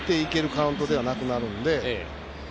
カウントではなくなるので。